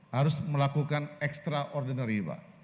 harus melakukan extraordinary pak